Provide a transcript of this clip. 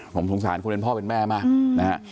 ผมสงสารคนเป็นพ่อเป็นแม่มากนะฮะ